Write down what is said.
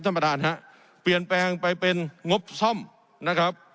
ท่านประธานฮะเปลี่ยนแปลงไปเป็นงบซ่อมนะครับ